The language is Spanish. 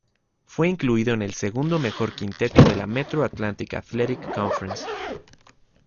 Fue incluido en el segundo mejor quinteto de la Metro Atlantic Athletic Conference.